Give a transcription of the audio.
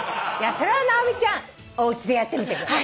それは直美ちゃんおうちでやってみてください。